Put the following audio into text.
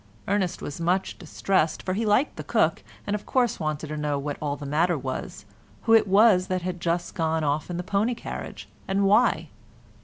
Ernest was much distressed, for he liked the cook, and, of course, wanted to know what all the matter was, who it was that had just gone off in the pony carriage, and why?